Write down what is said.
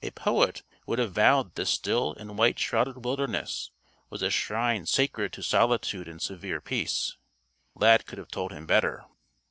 A poet would have vowed that the still and white shrouded wilderness was a shrine sacred to solitude and severe peace. Lad could have told him better.